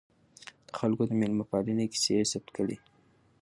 د خلکو د میلمه پالنې کیسې یې ثبت کړې.